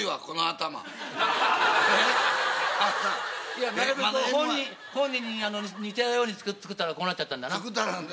いやなるべく本人に似たように作ったらこうなっちゃったんだな。